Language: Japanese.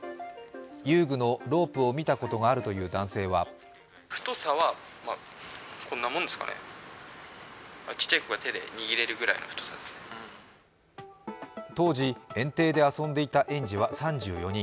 遊具のロープを見たことがあるという男性は当時、園庭で遊んでいた園児は３４人。